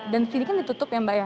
dan sini kan ditutup ya mbak ya